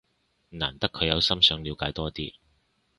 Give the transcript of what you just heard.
難得佢有心想了解多啲